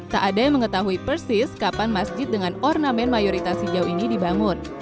tak ada yang mengetahui persis kapan masjid dengan ornamen mayoritas hijau ini dibangun